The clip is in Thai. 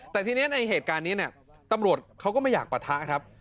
แต่ทีนี้ในเหตุการณ์นี้เนี่ยตำรวจเขาก็ไม่อยากปะทะครับ